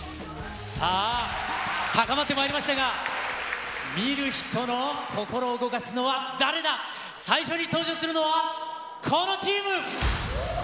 さあ、高まってまいりましたが、見る人の心を動かすのは誰だ、最初に登場するのはこのチーム。